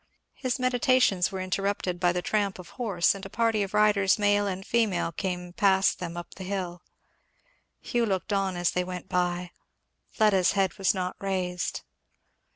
His meditations were interrupted by the tramp of horse, and a party of riders male and female came past them up the hill. Hugh looked on as they went by; Fleda's head was not raised.